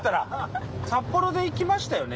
札幌で行きましたよね？